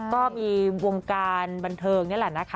ก็มีวงการบันเทิงนี่แหละนะคะ